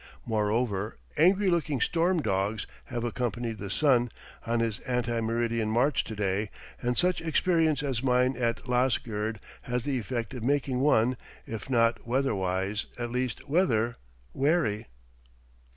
Moreover, angry looking storm dogs have accompanied the sun on his ante meridian march to day, and such experience as mine at Lasgird has the effect of making one, if not weather wise, at least weather wary.